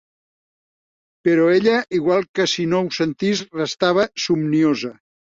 Però ella igual que si no ho sentís, restava somniosa